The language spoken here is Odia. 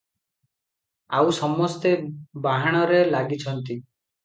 ଆଉ ସମସ୍ତେ ବାହାଣରେ ଲାଗିଛନ୍ତି ।